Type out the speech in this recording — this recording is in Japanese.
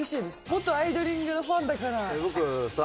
元アイドリング！！！のファンだから。